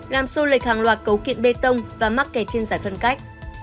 làm sô lệch hàng loạt cấu kiện bê tông và mắc kẹt trên giải phân cách